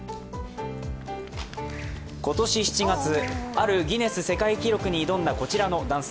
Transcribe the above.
今年７月、あるギネス世界記録に挑んだこちらの男性。